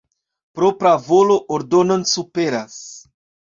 Propra volo ordonon superas.